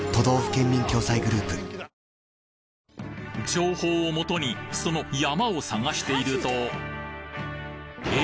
情報を元にその山を探しているとえ！？